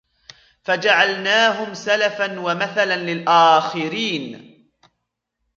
فَجَعَلْنَاهُمْ سَلَفًا وَمَثَلًا لِلْآخِرِينَ